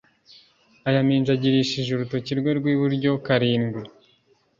Ayaminjagirishe urutoki rwe rw iburyo karindwi